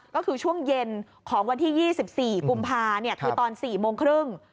ก็คือช่วงเย็นของวันที่๒๔กุมภาคือตอน๔โมงครึ่ง